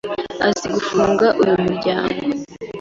Azi gufunga uyu muryango.